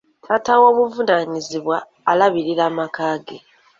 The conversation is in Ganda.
Taata ow'obuvunaanyizibwa alabirira amaka ge.